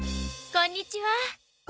こんにちは。